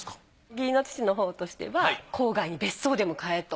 義理の父のほうとしては郊外に別荘でも買えと。